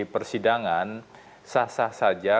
persidangan sah sah saja